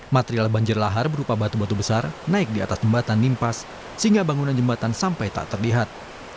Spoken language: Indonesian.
material banjir lahar berupa batu batu besar naik di atas jembatan nimpas sehingga bangunan jembatan sampai tak terlihat